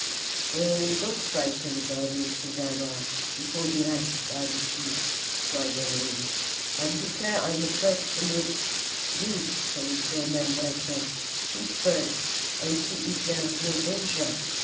"Oh! don't frighten a body, Susannah, before we have had a peep," cried Emmeline; "I declare I'm afraid to look do, Col. Nelson, peep first and see if there's no danger."